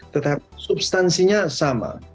tetapi substansinya sama